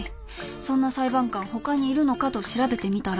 そんな裁判官他にいるのかと調べてみたら。